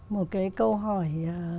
một cái câu hỏi